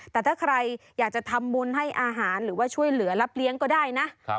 แต่ถ้าใครอยากจะทำบุญให้อาหารหรือว่าช่วยเหลือรับเลี้ยงก็ได้นะ